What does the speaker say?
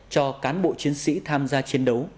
cho cán bộ chiến sĩ tham gia chiến đấu